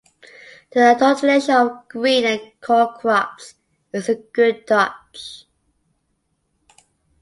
The alternation of green and corn crops is a good dodge.